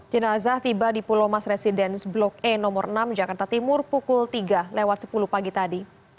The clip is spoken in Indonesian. jenazah tiba di pulau mas residence blok e nomor enam jakarta timur pukul tiga lewat sepuluh pagi tadi